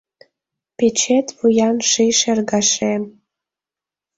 Печет вуян ший шергашем